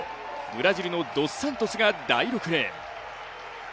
ブラジルのドス・サントスが第６レーン。